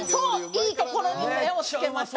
いいところに目を付けました。